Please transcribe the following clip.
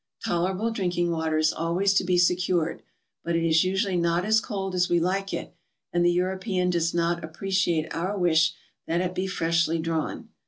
Tolerable drinking water is always to be secured, but it is usually not as cold as we like it, and the European does not appreciate our wish that it be freshly drawn.